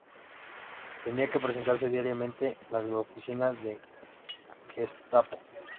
Tenía que presentarse diariamente en las oficinas de la Gestapo.